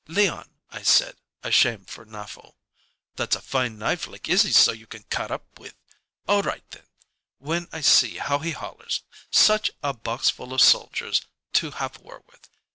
'Leon,' I said, ashamed for Naftel, 'that's a fine knife like Izzie's so you can cut up with. All right, then' when I see how he hollers 'such a box full of soldiers to have war with.'